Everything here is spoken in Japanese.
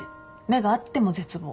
目が合っても絶望。